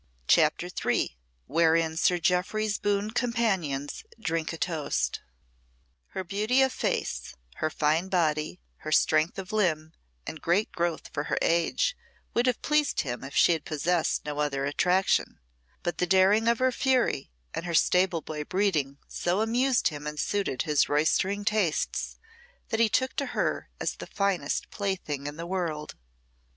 CHAPTER III Wherein Sir Jeoffry's boon companions drink a toast Her beauty of face, her fine body, her strength of limb, and great growth for her age, would have pleased him if she had possessed no other attraction, but the daring of her fury and her stable boy breeding so amused him and suited his roystering tastes that he took to her as the finest plaything in the world.